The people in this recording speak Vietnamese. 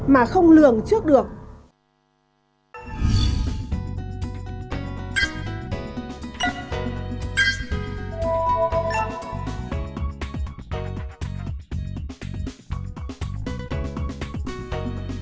mà không lường trước được